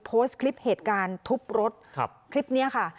โพสต์คลิปเหตุการณ์ทุบรถครับคลิปนี้ค่ะ